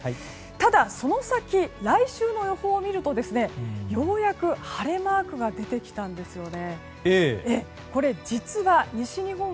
ただその先、来週の予報を見るとようやく晴れマークが出てきたんですよね。